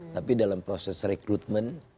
tapi dalam proses rekrutmen